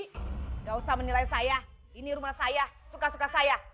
tidak usah menilai saya ini rumah saya suka suka saya